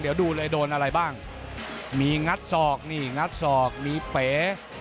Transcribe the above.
เดี๋ยวดูเลยโดนอะไรบ้างมีงัดศอกนี่งัดศอกมีเป๋